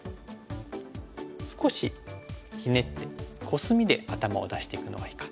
少しひねってコスミで頭を出していくのがいいか。